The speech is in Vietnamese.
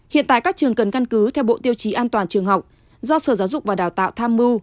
hiện tại các trường cần căn cứ theo bộ tiêu chí an toàn trường học do sở giáo dục và đào tạo tham mưu